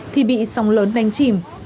thì bị sóng lớn đánh chìm